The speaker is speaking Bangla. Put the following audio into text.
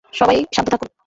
সবাই শান্ত থাকুন।